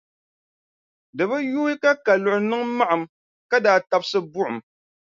Di bi yuui ka Kaluɣi niŋ maɣim ka daa tabisi buɣum.